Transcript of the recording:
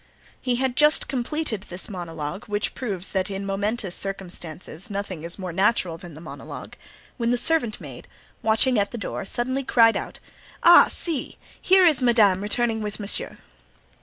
He had just completed this monologue—which proves that in momentous circumstances nothing is more natural than the monologue—when the servant maid, watching at the door, suddenly cried out: "Ah! see! here is madame returning with monsieur."